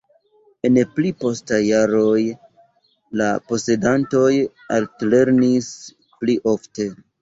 En pli postaj jaroj la posedantoj alternis pli ofte.